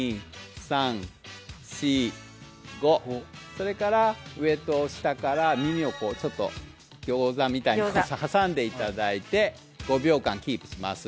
それから上と下から耳をちょっと餃子みたいに挟んでいただいて５秒間キープします